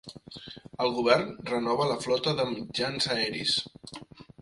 El Govern renova la flota de mitjans aeris.